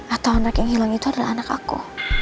atau anak yang hilang itu adalah anak aku